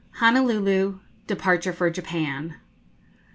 HONOLULU DEPARTURE FOR JAPAN.